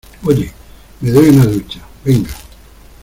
oye, me doy una ducha. venga .